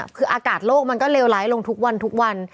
คืออากาศโลกมันก็เลวร้ายลงทุกวันทุกวัน